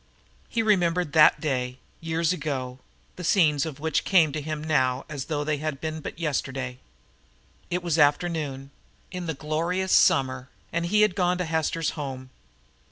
He remembered THAT day years ago the scenes of which came to him now as though they had been but yesterday. It was afternoon, in the glorious summer, and he had gone to Hester's home.